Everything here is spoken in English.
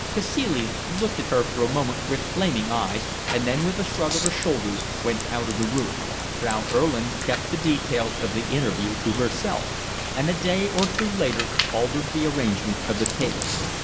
Cacilie looked at her for a moment with flaming eyes, and then with a shrug of her shoulders went out of the room. Frau Erlin kept the details of the interview to herself, and a day or two later altered the arrangement of the table.